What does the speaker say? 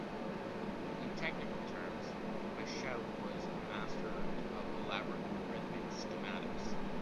In technical terms, Machaut was a master of elaborate rhythmic schematics.